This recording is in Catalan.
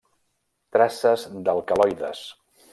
Traces d'alcaloides.